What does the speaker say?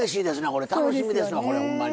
これ楽しみですわこれほんまに。